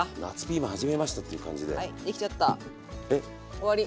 終わり。